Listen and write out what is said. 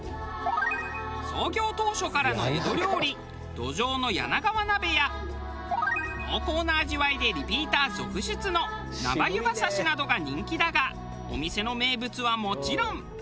創業当初からの江戸料理ドジョウの柳川鍋や濃厚な味わいでリピーター続出の生ゆば刺しなどが人気だがお店の名物はもちろん。